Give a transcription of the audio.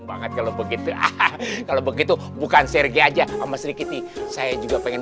banget kalau begitu kalau begitu bukan sergei aja sama sri kitty saya juga pengen